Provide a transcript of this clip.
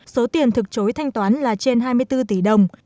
số tiền thực chối thanh toán là trên hai mươi bốn tỷ đồng